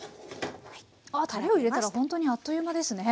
ああたれを入れたら本当にあっという間ですね。